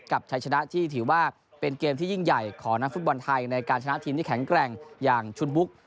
ชัยชนะที่ถือว่าเป็นเกมที่ยิ่งใหญ่ของนักฟุตบอลไทยในการชนะทีมที่แข็งแกร่งอย่างชุนบุ๊ก